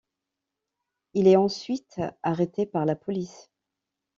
Il est ensuite arrêté par la police.